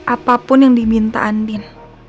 apapun yang diminta andin